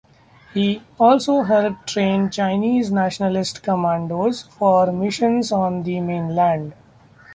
He also helped train Chinese Nationalist commandos for missions on the mainland.